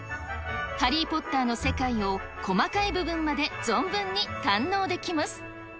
ハリー・ポッターの世界を細かい部分まで存分に堪能できます。